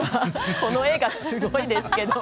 この絵がすごいですけど。